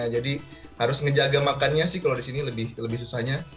jadi harus ngejaga makannya sih kalau di sini lebih susahnya